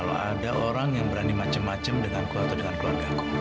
wlaupun orang itu orang yang terdekat